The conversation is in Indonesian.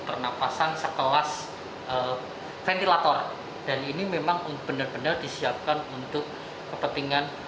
pernapasan sekelas ventilator dan ini memang benar benar disiapkan untuk kepentingan